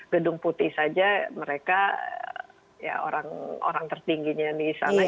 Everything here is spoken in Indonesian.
gedung putih saja mereka orang tertingginya di sana